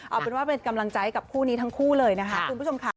เอาเป็นว่าเป็นกำลังใจกับคู่นี้ทั้งคู่เลยนะครับ